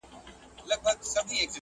بیا به له دغه ښاره د جهل رېښې و باسو.